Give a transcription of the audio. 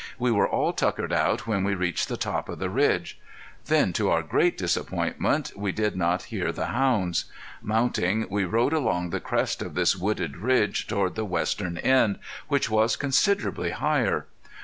We were all tuckered out when we reached the top of the ridge. Then to our great disappointment we did not hear the hounds. Mounting we rode along the crest of this wooded ridge toward the western end, which was considerably higher.